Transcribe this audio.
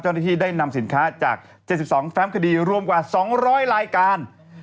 เจ้าหน้าที่ได้นำสินค้าจาก๗๒แฟ้มคดีรวมกว่า๒๐๐รายการ